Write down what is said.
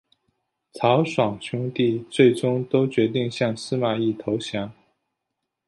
曹爽兄弟最终都决定向司马懿投降。